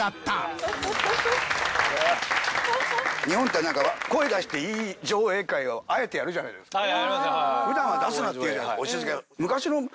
日本って声出していい上映会をあえてやるじゃないですか。